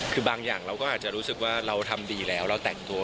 คือบางอย่างเราก็อาจจะรู้สึกว่าเราทำดีแล้วเราแต่งตัว